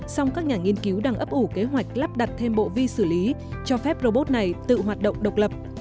song các nhà nghiên cứu đang ấp ủ kế hoạch lắp đặt thêm bộ vi xử lý cho phép robot này tự hoạt động độc lập